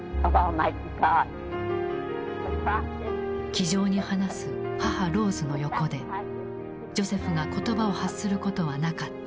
気丈に話す母ローズの横でジョセフが言葉を発することはなかった。